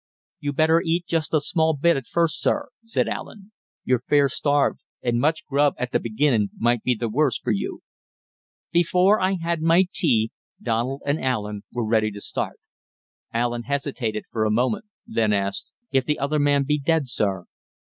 "You'd better eat just a small bit at first, sir," said Allen. "You're fair starved, and much grub at th' beginnin' might be th' worse for you." Before I had my tea, Donald and Allen were ready to start. Allen hesitated for a moment; then asked: "If the other man be dead, sir?"